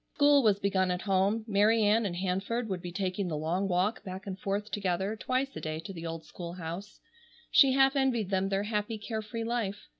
School was begun at home. Mary Ann and Hanford would be taking the long walk back and forth together twice a day to the old school house. She half envied them their happy, care free life.